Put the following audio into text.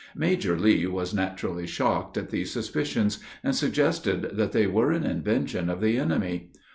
Major Lee was naturally shocked at these suspicions, and suggested that they were an invention of the enemy.